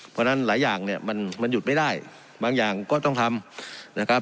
เพราะฉะนั้นหลายอย่างเนี่ยมันหยุดไม่ได้บางอย่างก็ต้องทำนะครับ